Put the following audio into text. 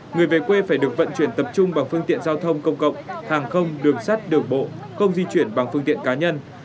người về quê phải được vận chuyển tập trung bằng phương tiện giao thông công cộng hàng không đường sắt đường bộ không di chuyển bằng phương tiện cá nhân